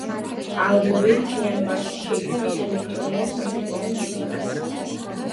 ალბომი მთლიანობაში შეიცავს ელექტრონულ საცეკვაო მუსიკას.